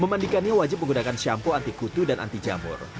memandikannya wajib menggunakan shampo anti kutu dan anti jamur